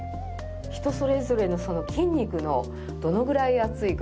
人それぞれの筋肉のどのぐらい厚いか？